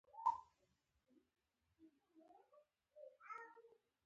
خپلو کورونو ته ننوتل.